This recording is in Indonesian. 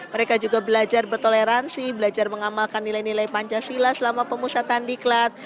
mereka juga belajar bertoleransi belajar mengamalkan nilai nilai pancasila selama pemusatan di klat